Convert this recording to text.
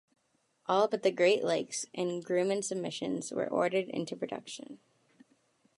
All but the Great Lakes and Grumman submissions were ordered into production.